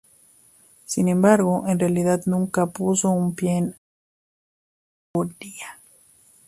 Sin embargo, en realidad nunca puso un pie en Astoria.